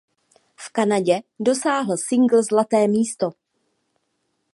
V Kanadě dosáhl singl zlaté místo.